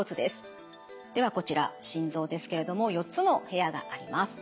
ではこちら心臓ですけれども４つの部屋があります。